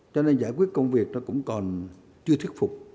cho nên giải quyết công việc nó cũng còn chưa thuyết phục